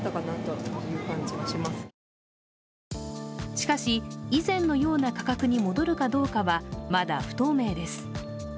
しかし、以前のような価格に戻るかどうかは、まだ不透明です。